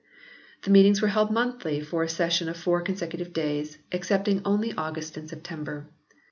The meetings were held monthly for a session of four consecutive days, excepting only August and September.